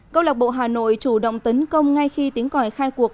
công lạc bộ hà nội chủ động tấn công ngay khi tính còi khai cuộc